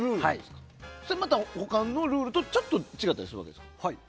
また他のルールとちょっち違ったりすると。